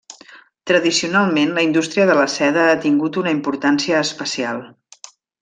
Tradicionalment la indústria de la seda ha tingut una importància especial.